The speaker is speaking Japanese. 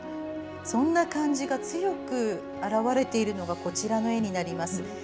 そんな感じが強く表れているのがこちらの絵になります。